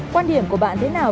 quan điểm của bạn thế nào